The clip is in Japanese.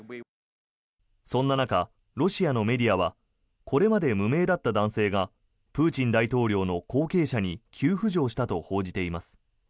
そんな中、ロシアのメディアはこれまで無名だった男性がプーチン大統領の後継者に急浮上したと報じています。